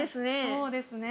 そうですね。